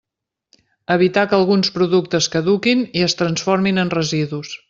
Evitar que alguns productes caduquin i es transformin en residus.